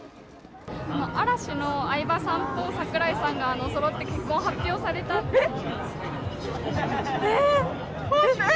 嵐の相葉さんと櫻井さんがそろって結婚発表をされたんですが。